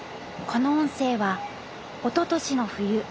この音声はおととしの冬